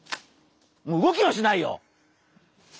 もう動きもしないよ！